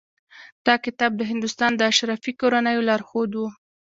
دا کتاب د هندوستان د اشرافي کورنیو لارښود و.